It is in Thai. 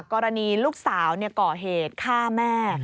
กรณีลูกสาวก่อเหตุฆ่าแม่